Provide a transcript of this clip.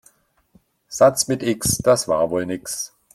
Satz mit X, das war wohl nix.